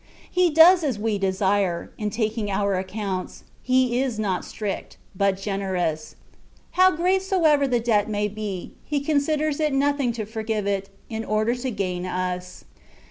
He does as we desire ; in taking our accounts. He is not strict, but generous: how great soever the debt may be, He considers it nothing to forgive it, in order to gain us.